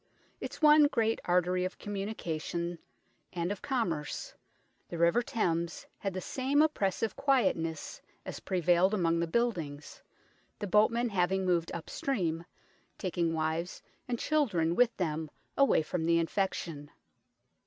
Its one great artery of communication and of commerce, the River Thames, had the same oppressive quietness as prevailed among the buildings, the boatmen having moved upstream, taking wives and children with them away from the infection.